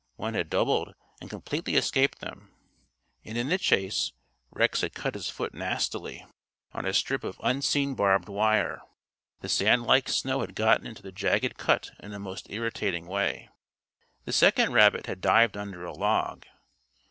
One had doubled and completely escaped them; and in the chase Rex had cut his foot nastily on a strip of unseen barbed wire. The sandlike snow had gotten into the jagged cut in a most irritating way. The second rabbit had dived under a log.